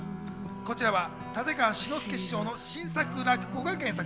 こちらは立川志の輔師匠の新作落語が原作。